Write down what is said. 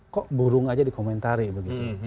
kok burung aja dikomentari begitu